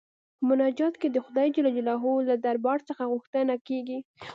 په مناجات کې د خدای جل جلاله له دربار څخه غوښتنه کيږي.